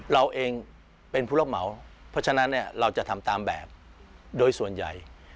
เราเองเป็นผู้รับเหมาเพราะฉะนั้นเราจะทำตามแบบโดยส่วนใหญ่